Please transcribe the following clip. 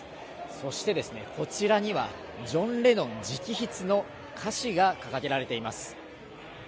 そしてこちらには、ジョン・レノン直筆の歌詞が掲げられています。